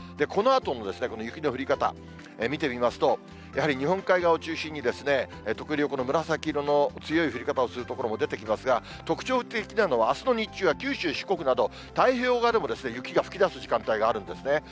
このあとも雪の降り方、見てみますと、やはり日本海側を中心に、特にこの紫色の強い降り方をする所も出てきますが、特徴的なのはあすの日中は九州、四国など、太平洋側でも雪が吹き出す時間帯があるんですね。